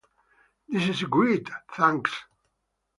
This is great, thanks!